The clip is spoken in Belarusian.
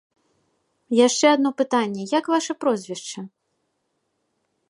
Яшчэ адно пытанне, як ваша прозвішча?